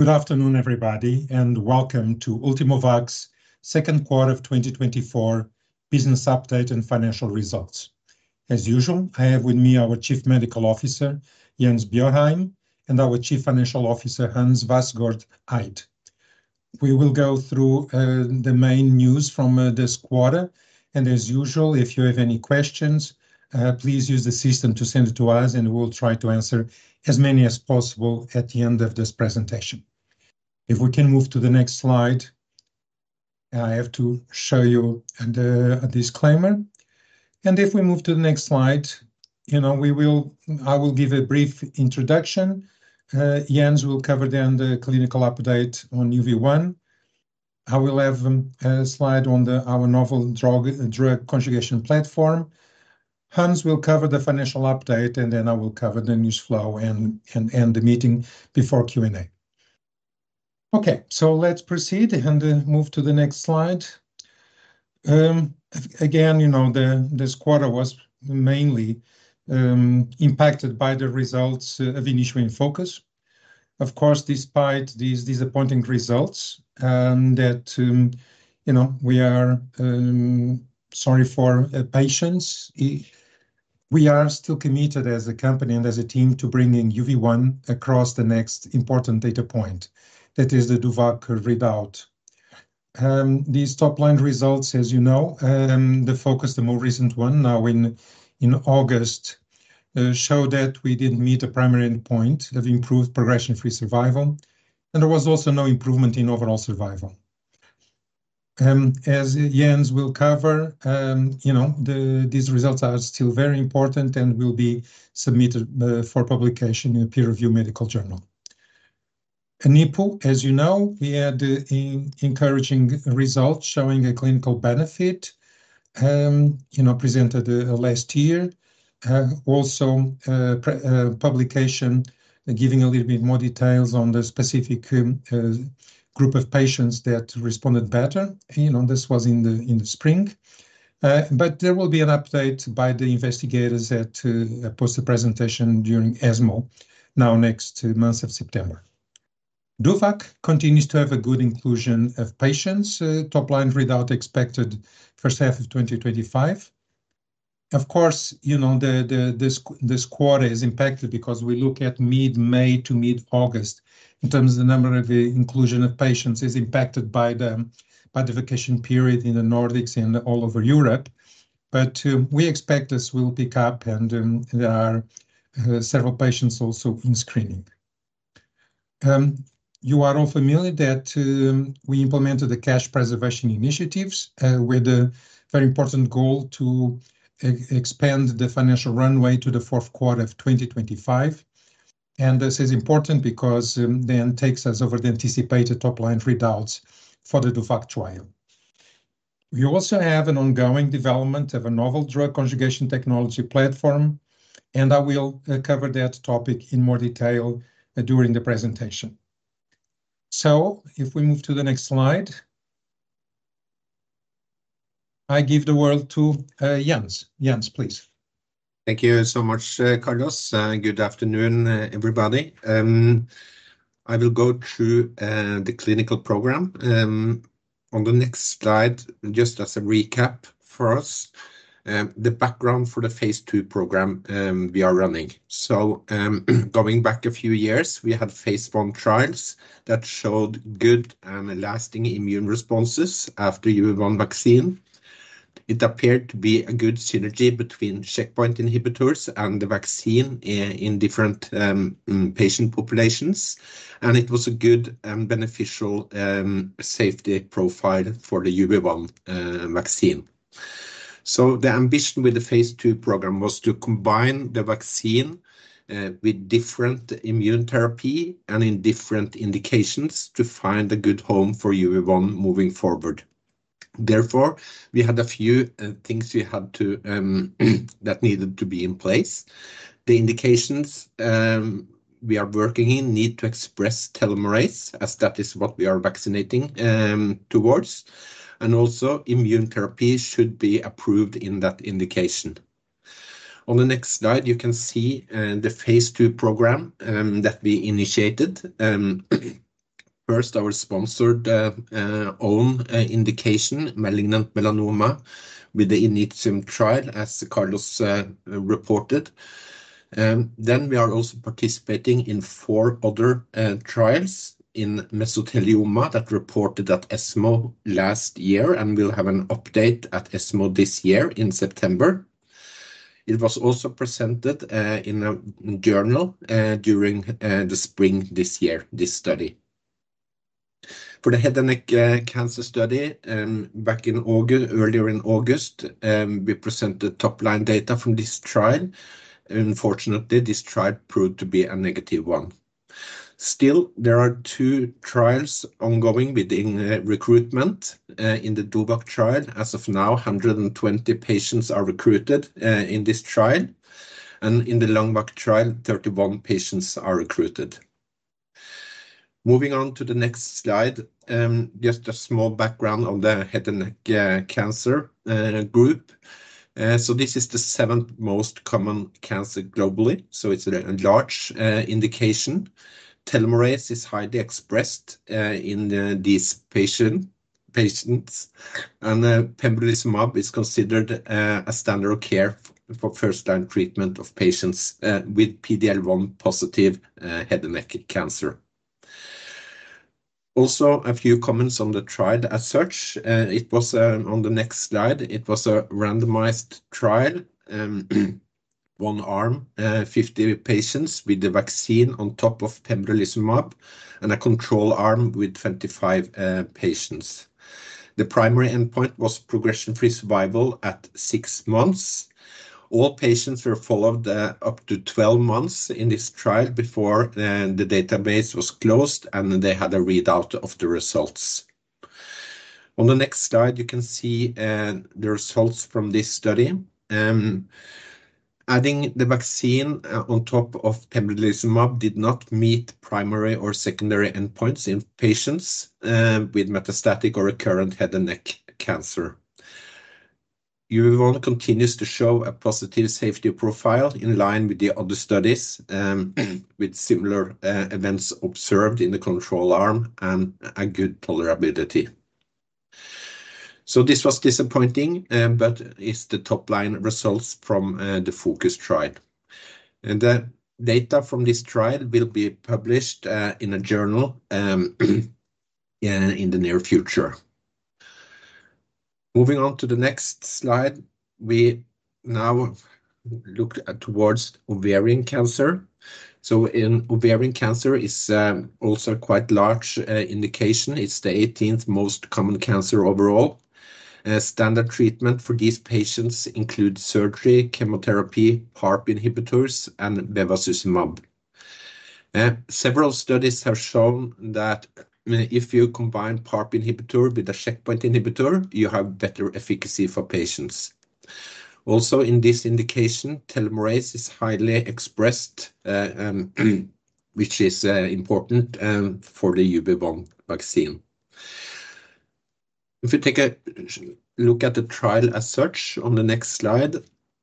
Good afternoon, everybody, and welcome to Ultimovacs' Q2 2024 business update and Financial Results. As usual, I have with me our Chief Medical Officer, Jens Bjørheim, and our Chief Financial Officer, Hans Vassgård Eid. We will go through the main news from this quarter, and as usual, if you have any questions, please use the system to send it to us, and we'll try to answer as many as possible at the end of this presentation. If we can move to the next slide, I have to show you the disclaimer, and if we move to the next slide, you know, we will. I will give a brief introduction. Jens will cover then the clinical update on UV1. I will have a slide on our novel drug conjugation platform. Hans will cover the financial update, and then I will cover the news flow and end the meeting before Q&A. Okay, so let's proceed and move to the next slide. Again, you know, this quarter was mainly impacted by the results of INITIUM FOCUS. Of course, despite these disappointing results, you know, we are sorry for patients. We are still committed as a company and as a team to bringing UV1 across the next important data point, that is the DOVACC readout. These top-line results, as you know, the FOCUS, the more recent one now in August, show that we didn't meet the primary endpoint of improved progression-free survival, and there was also no improvement in overall survival. As Jens will cover, you know, these results are still very important and will be submitted for publication in a peer-reviewed medical journal. In NIPU, as you know, we had encouraging results showing a clinical benefit, you know, presented last year. Also, pre-publication giving a little bit more details on the specific group of patients that responded better, and this was in the spring, but there will be an update by the investigators at post the presentation during ESMO now next month of September. DOVACC continues to have a good inclusion of patients, top-line readout expected first half of 2025. Of course, you know, this quarter is impacted because we look at mid-May to mid-August in terms of the number of inclusion of patients is impacted by the vacation period in the Nordics and all over Europe. But we expect this will pick up, and there are several patients also in screening. You are all familiar that we implemented the cash preservation initiatives with the very important goal to expand the financial runway to the Q4 of 2025, and this is important because then takes us over the anticipated top-line readouts for the DOVACC trial. We also have an ongoing development of a novel drug conjugation technology platform, and I will cover that topic in more detail during the presentation. So if we move to the next slide, I give the word to Jens. Jens, please. Thank you so much, Carlos, and good afternoon, everybody. I will go through the clinical program. On the next slide, just as a recap for us, the background for the phase two program we are running. So, going back a few years, we had phase one trials that showed good and lasting immune responses after UV1 vaccine. It appeared to be a good synergy between checkpoint inhibitors and the vaccine in different patient populations, and it was a good and beneficial safety profile for the UV1 vaccine. So the ambition with the phase two program was to combine the vaccine with different immune therapy and in different indications to find a good home for UV1 moving forward. Therefore, we had a few things that needed to be in place. The indications we are working in need to express telomerase, as that is what we are vaccinating towards, and also immune therapy should be approved in that indication. On the next slide, you can see the phase two program that we initiated. First, our sponsored own indication, malignant melanoma, with the INITIUM trial, as Carlos reported. Then we are also participating in four other trials in mesothelioma that reported at ESMO last year, and we'll have an update at ESMO this year in September. It was also presented in a journal during the spring this year, this study. For the head and neck cancer study, back in August, earlier in August, we presented top-line data from this trial. Unfortunately, this trial proved to be a negative one. Still, there are two trials ongoing with the recruitment. In the DOVACC trial, as of now, 120 patients are recruited in this trial, and in the LUNGVAC trial, 31 patients are recruited. Moving on to the next slide, just a small background on the head and neck cancer group. So this is the seventh most common cancer globally, so it's a large indication. Telomerase is highly expressed in these patients, and pembrolizumab is considered a standard of care for first-line treatment of patients with PD-L1 positive head and neck cancer. Also, a few comments on the trial as such, it was,... On the next slide, it was a randomized trial, one arm, 50 patients with the vaccine on top of pembrolizumab, and a control arm with 25 patients. The primary endpoint was progression-free survival at six months. All patients were followed up to 12 months in this trial before the database was closed, and they had a readout of the results. On the next slide, you can see the results from this study. Adding the vaccine on top of pembrolizumab did not meet primary or secondary endpoints in patients with metastatic or recurrent head and neck cancer. UV1 continues to show a positive safety profile in line with the other studies with similar events observed in the control arm and a good tolerability, so this was disappointing, but it's the top-line results from the FOCUS trial. And the data from this trial will be published in a journal in the near future. Moving on to the next slide, we now look at towards ovarian cancer. So in ovarian cancer is also a quite large indication. It's the eighteenth most common cancer overall. Standard treatment for these patients include surgery, chemotherapy, PARP inhibitors, and bevacizumab. Several studies have shown that if you combine PARP inhibitor with a checkpoint inhibitor, you have better efficacy for patients. Also, in this indication, telomerase is highly expressed, which is important for the UV1 vaccine. If you take a look at the trial as such on the next slide,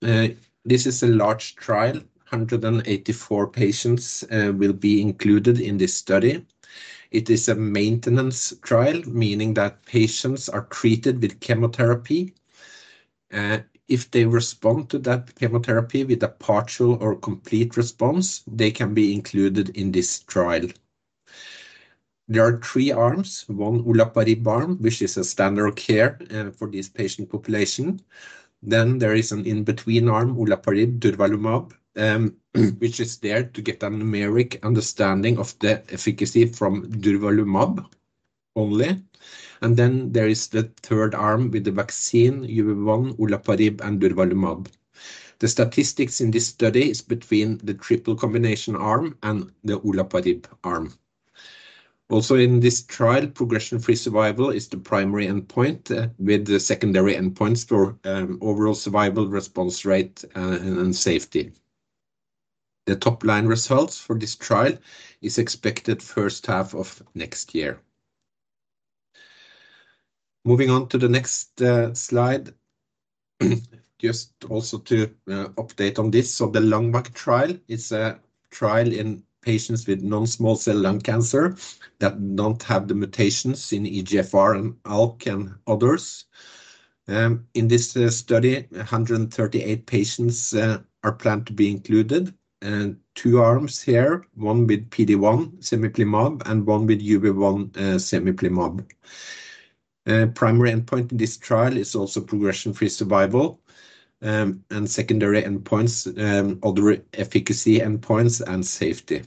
this is a large trial. 184 patients will be included in this study. It is a maintenance trial, meaning that patients are treated with chemotherapy. If they respond to that chemotherapy with a partial or complete response, they can be included in this trial. There are three arms: one olaparib arm, which is a standard of care, for this patient population. Then there is an in-between arm, olaparib durvalumab, which is there to get a numeric understanding of the efficacy from durvalumab only. And then there is the third arm with the vaccine UV1, olaparib, and durvalumab. The statistics in this study is between the triple combination arm and the olaparib arm. Also in this trial, progression-free survival is the primary endpoint, with the secondary endpoints for overall survival, response rate, and safety. The top-line results for this trial is expected first half of next year. Moving on to the next slide. Just also to update on this. So the LUNGVAC trial is a trial in patients with non-small cell lung cancer that don't have the mutations in EGFR and ALK and others. In this study, 138 patients are planned to be included. And two arms here, one with PD-1, cemiplimab, and one with UV1, cemiplimab. Primary endpoint in this trial is also progression-free survival, and secondary endpoints, other efficacy endpoints and safety.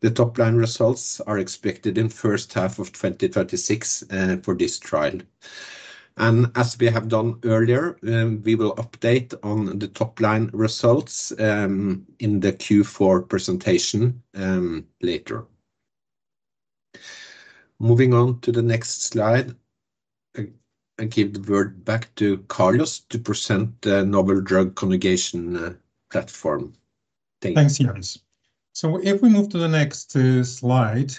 The top-line results are expected in first half of 2036 for this trial. And as we have done earlier, we will update on the top-line results in the Q4 presentation later. Moving on to the next slide, I give the word back to Carlos to present the novel drug conjugation platform. Thank you. Thanks, Jens. So if we move to the next slide,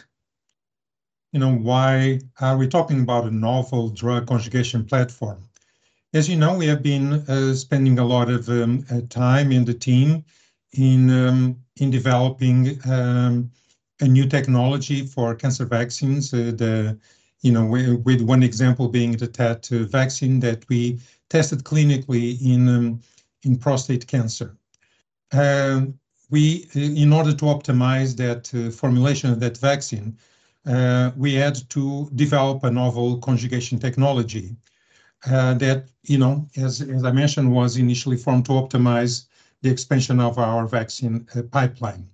you know, why are we talking about a novel drug conjugation platform? As you know, we have been spending a lot of time in the team in developing a new technology for cancer vaccines. You know, with one example being the TET vaccine that we tested clinically in prostate cancer. We, in order to optimize that formulation of that vaccine, we had to develop a novel conjugation technology that you know, as I mentioned, was initially formed to optimize the expansion of our vaccine pipeline.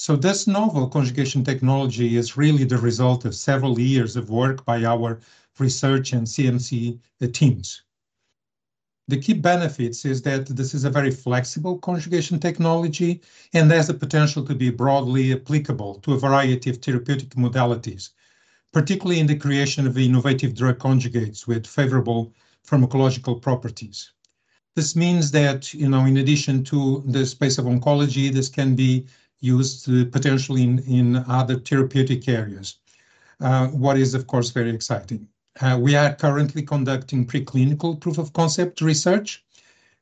So this novel conjugation technology is really the result of several years of work by our research and CMC teams. The key benefits is that this is a very flexible conjugation technology, and there's the potential to be broadly applicable to a variety of therapeutic modalities, particularly in the creation of innovative drug conjugates with favorable pharmacological properties. This means that, you know, in addition to the space of oncology, this can be used, potentially in other therapeutic areas. What is, of course, very exciting. We are currently conducting preclinical proof of concept research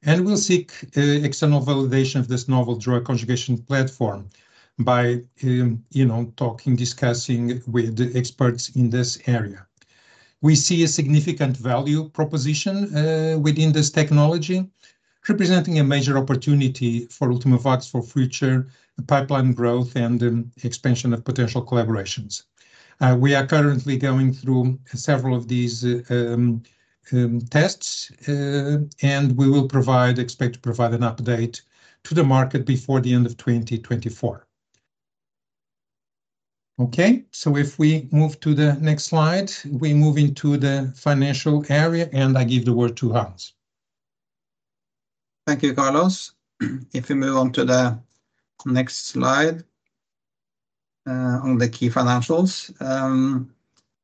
and we'll seek external validation of this novel drug conjugation platform by, you know, talking, discussing with the experts in this area. We see a significant value proposition within this technology, representing a major opportunity for Ultimovacs for future pipeline growth and expansion of potential collaborations. We are currently going through several of these tests, and we expect to provide an update to the market before the end of 2024. Okay, so if we move to the next slide, we move into the financial area, and I give the word to Hans. Thank you, Carlos. If we move on to the next slide, on the key financials.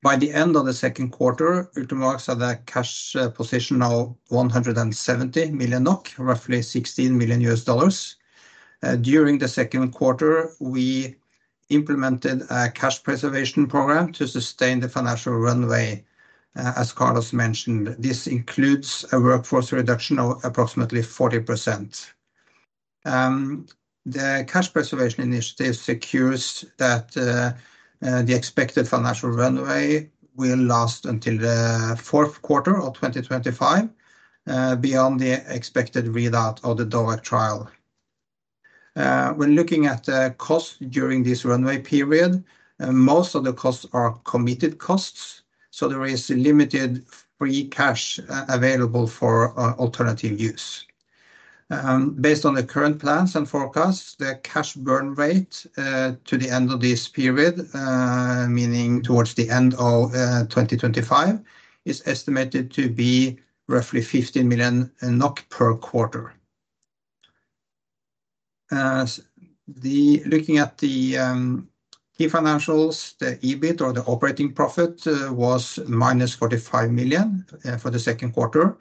By the end of the Q2, Ultimovacs had a cash position of 170 million NOK, roughly $16 million. During the Q2, we implemented a cash preservation program to sustain the financial runway. As Carlos mentioned, this includes a workforce reduction of approximately 40%. The cash preservation initiative secures that the expected financial runway will last until the Q4 of 2025, beyond the expected readout of the DOVACC trial. When looking at the cost during this runway period, most of the costs are committed costs, so there is limited free cash available for alternative use. Based on the current plans and forecasts, the cash burn rate to the end of this period, meaning towards the end of 2025, is estimated to be roughly 15 million NOK per quarter. Looking at the key financials, the EBIT or the operating profit was minus 45 million for the Q2.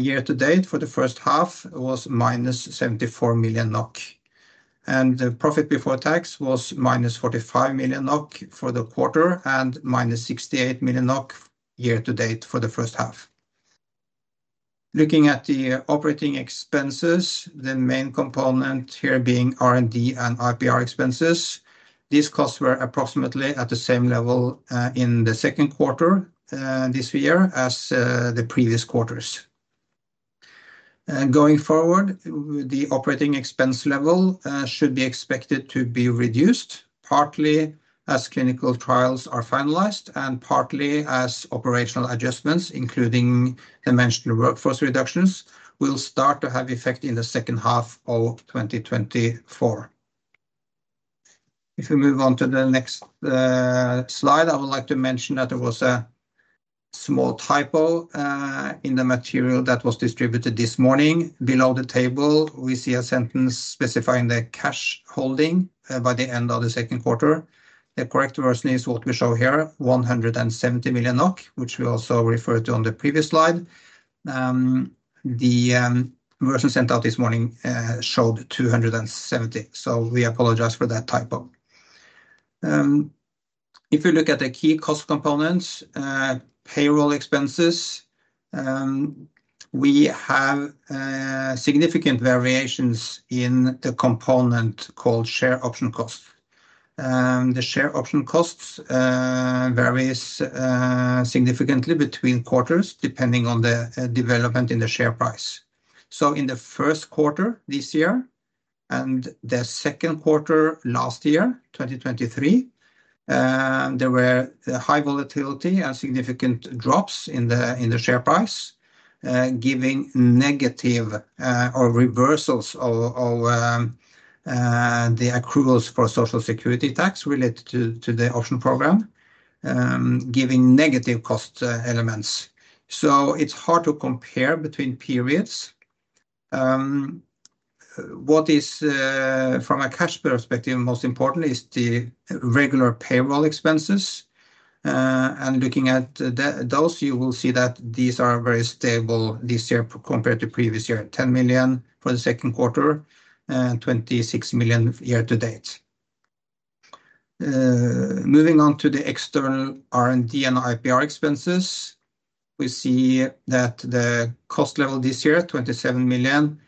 Year to date, for the first half, was minus 74 million NOK, and the profit before tax was minus 45 million NOK for the quarter and minus 68 million NOK year to date for the first half. Looking at the operating expenses, the main component here being R&D and IPR expenses. These costs were approximately at the same level in the Q2 this year as the previous quarters. Going forward, the operating expense level should be expected to be reduced, partly as clinical trials are finalized and partly as operational adjustments, including the mentioned workforce reductions, will start to have effect in the second half of 2024. If we move on to the next slide, I would like to mention that there was a small typo in the material that was distributed this morning. Below the table, we see a sentence specifying the cash holding by the end of the Q2. The correct version is what we show here, 170 million NOK, which we also referred to on the previous slide. The version sent out this morning showed 270, so we apologize for that typo. If you look at the key cost components, payroll expenses, we have significant variations in the component called share option cost. The share option costs varies significantly between quarters, depending on the development in the share price. So in the Q1 this year, and the Q2 last year, 2023, there were high volatility and significant drops in the, in the share price, giving negative, or reversals of, of the accruals for Social Security tax related to, to the option program, giving negative cost elements. So it's hard to compare between periods. What is, from a cash perspective, most important is the regular payroll expenses. And looking at those, you will see that these are very stable this year compared to previous year, 10 million for the Q2 and 26 million year to date. Moving on to the external R&D and IPR expenses, we see that the cost level this year, 27 million,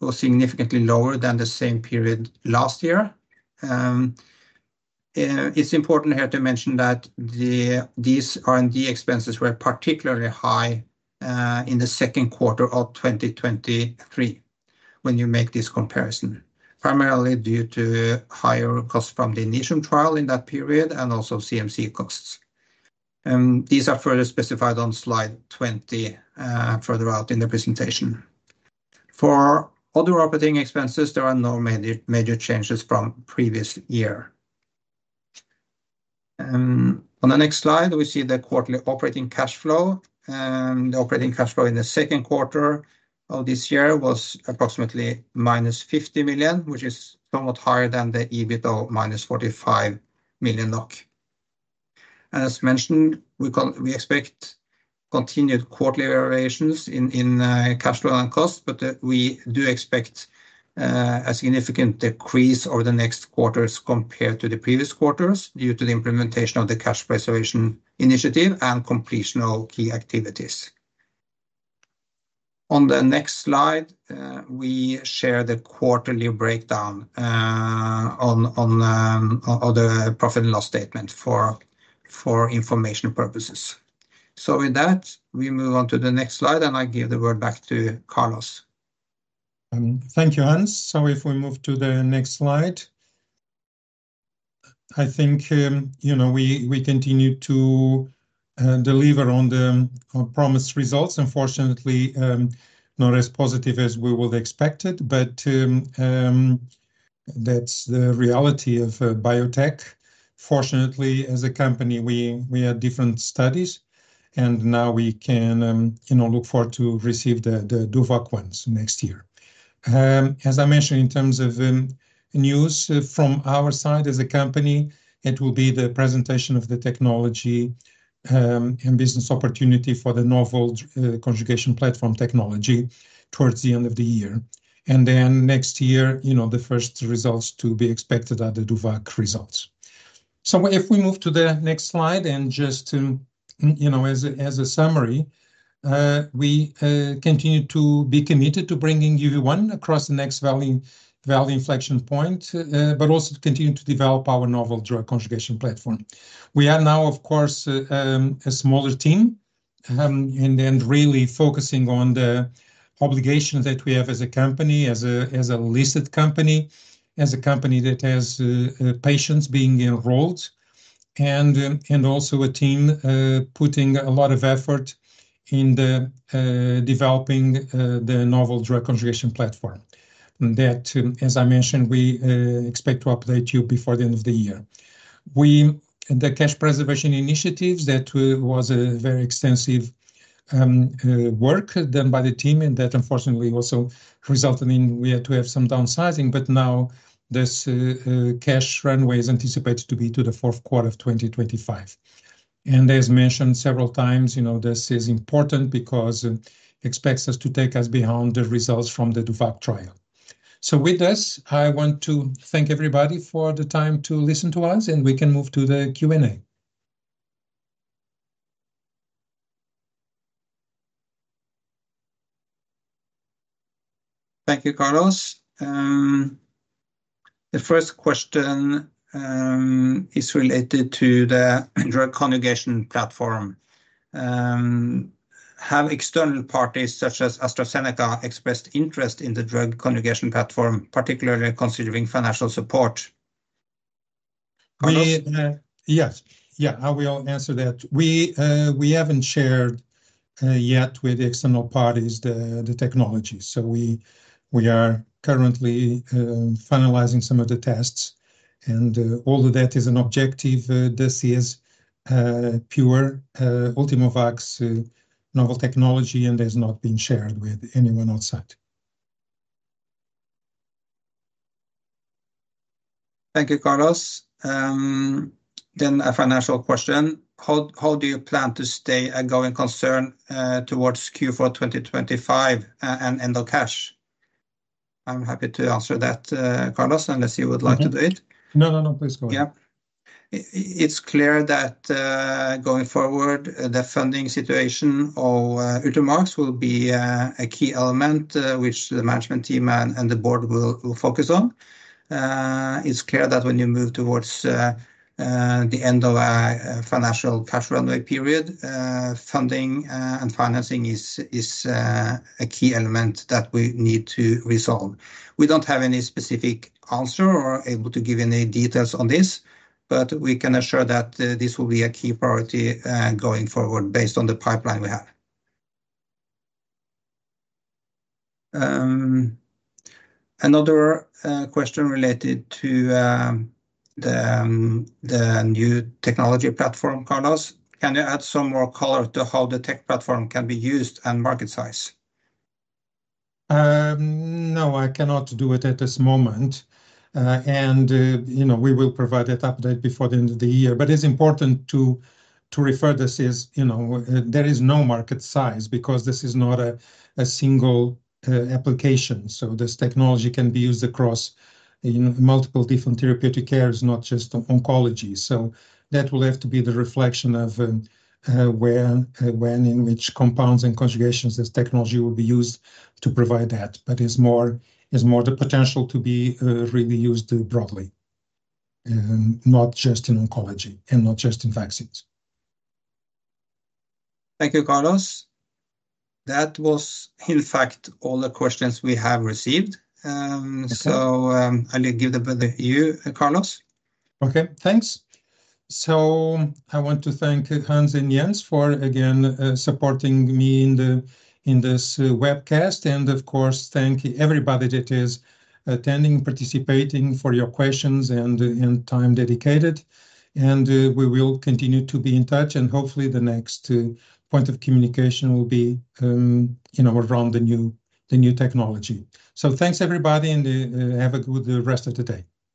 was significantly lower than the same period last year. It's important here to mention that these R&D expenses were particularly high in the Q2 of 2023 when you make this comparison, primarily due to higher costs from the initial trial in that period and also CMC costs. These are further specified on slide 20, further out in the presentation. For other operating expenses, there are no major changes from previous year. On the next slide, we see the quarterly operating cash flow, and operating cash flow in the Q2 of this year was approximately -50 million, which is somewhat higher than the EBIT of -45 million NOK. And as mentioned, we expect continued quarterly variations in cash flow and cost, but we do expect a significant decrease over the next quarters compared to the previous quarters, due to the implementation of the cash preservation initiative and completion of key activities. On the next slide, we share the quarterly breakdown on the profit and loss statement for information purposes. So with that, we move on to the next slide, and I give the word back to Carlos. Thank you, Hans. So if we move to the next slide, I think, you know, we continue to deliver on promised results. Unfortunately, not as positive as we would expected, but that's the reality of biotech. Fortunately, as a company, we had different studies, and now we can, you know, look forward to receive the DOVACC ones next year. As I mentioned, in terms of news from our side as a company, it will be the presentation of the technology and business opportunity for the novel conjugation platform technology towards the end of the year. And then next year, you know, the first results to be expected are the DOVACC results. So if we move to the next slide and just to you know as a summary we continue to be committed to bringing UV1 across the next value inflection point but also to continue to develop our novel drug conjugation platform. We are now of course a smaller team and then really focusing on the obligations that we have as a company as a listed company as a company that has patients being enrolled and also a team putting a lot of effort in the developing the novel drug conjugation platform. That as I mentioned we expect to update you before the end of the year. The cash preservation initiatives that was a very extensive work done by the team, and that unfortunately also resulted in we had to have some downsizing, but now this cash runway is anticipated to be to the Q4 2025. And as mentioned several times, you know, this is important because it expects us to take us beyond the results from the DOVACC trial. So with this, I want to thank everybody for the time to listen to us, and we can move to the Q&A. Thank you, Carlos. The first question is related to the drug conjugation platform. Have external parties, such as AstraZeneca, expressed interest in the drug conjugation platform, particularly considering financial support? Carlos? Yes. Yeah, I will answer that. We haven't shared yet with the external parties the technology. So we are currently finalizing some of the tests, and although that is an objective, this is pure Ultimovacs' novel technology, and it has not been shared with anyone outside. Thank you, Carlos. Then a financial question: How do you plan to stay a going concern towards Q4 2025 and end of cash? I'm happy to answer that, Carlos, unless you would like to do it. No, no, no, please go on. Yeah. It's clear that going forward, the funding situation of Ultimovacs will be a key element which the management team and the board will focus on. It's clear that when you move towards the end of a financial cash runway period, funding and financing is a key element that we need to resolve. We don't have any specific answer or able to give any details on this, but we can assure that this will be a key priority going forward based on the pipeline we have. Another question related to the new technology platform, Carlos. Can you add some more color to how the tech platform can be used and market size? No, I cannot do it at this moment, and you know, we will provide that update before the end of the year, but it's important to refer this as, you know, there is no market size, because this is not a single application, so this technology can be used across, you know, multiple different therapeutic areas, not just on oncology, so that will have to be the reflection of where, when, in which compounds and conjugations this technology will be used to provide that, but it's more the potential to be really used broadly, not just in oncology and not just in vaccines. Thank you, Carlos. That was, in fact, all the questions we have received. Okay. I'll give it back to you, Carlos. Okay, thanks. So I want to thank Hans and Jens for, again, supporting me in this webcast. And of course, thank everybody that is attending, participating, for your questions and time dedicated. And we will continue to be in touch, and hopefully, the next point of communication will be, you know, around the new technology. So thanks, everybody, and have a good rest of the day.